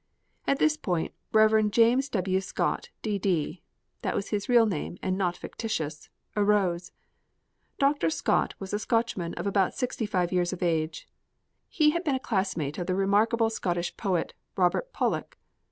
At this point Rev. James W. Scott, D.D. (that was his real name, and not fictitious) arose. Dr. Scott was a Scotchman of about 65 years of age. He had been a classmate of the remarkable Scottish poet, Robert Pollock.